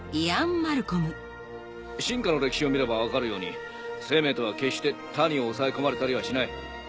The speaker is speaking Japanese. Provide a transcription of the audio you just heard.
進化の歴史を見れば分かるように生命とは決して他に抑え込まれたりはしない。